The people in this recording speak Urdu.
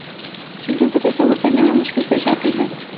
چیزوں کا تصور کرنے میں مشکل پیش آتی ہے